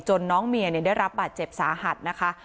จนน้องเมียเลยได้รับบัตรเจ็บสาหัสนะคะ